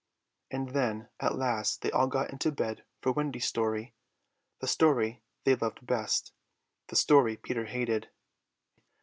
And then at last they all got into bed for Wendy's story, the story they loved best, the story Peter hated.